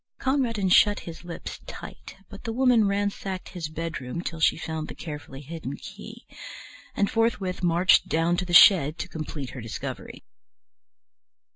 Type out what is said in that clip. Conradin shut his lips tight, but the Woman ransacked his bedroom till she found the carefully hidden key, and forthwith marched down to the shed to complete her discovery.